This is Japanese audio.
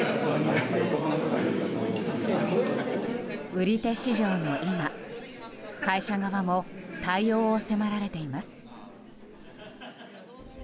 売り手市場の今会社側も対応を迫られています。